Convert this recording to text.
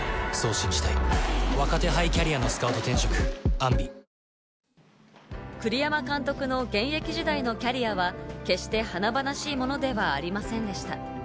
ゾンビ臭に新「アタック抗菌ＥＸ」栗山監督の現役時代のキャリアは決して華々しいものではありませんでした。